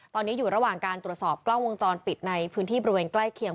ตอนนี้อยู่ระหว่างการตรวจสอบกล้องวงจรปิดในพื้นที่บริเวณใกล้เคียง